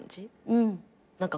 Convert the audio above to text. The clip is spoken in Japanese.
うん。